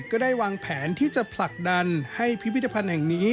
ก็ได้วางแผนที่จะผลักดันให้พิพิธภัณฑ์แห่งนี้